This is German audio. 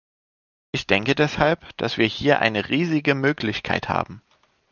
Ich denke deshalb, dass wir hier eine riesige Möglichkeit haben.